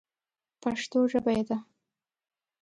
پښتو ژبه یې ده.